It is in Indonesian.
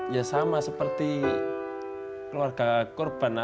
ya sama seperti keluarga korban